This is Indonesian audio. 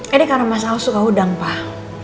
ini karena mas ahok suka udang pak